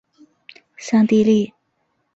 桑蒂利。